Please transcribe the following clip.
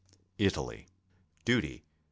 ITALY. Duty 42.